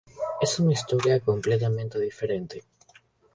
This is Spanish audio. Es una historia completamente diferente".